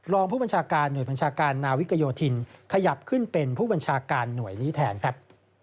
รองผู้บัญชาการหน่วยบัญชาการนาวิกโยธินขยับขึ้นเป็นผู้บัญชาการหน่วยนี้แทนครับ